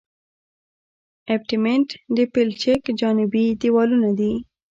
ابټمنټ د پلچک جانبي دیوالونه دي